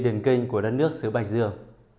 điền kinh của đất nước xứ bạch dương